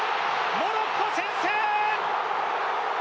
モロッコ先制！